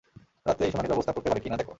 রাতেই শুনানির ব্যবস্থা করতে পারে কি না দেখো।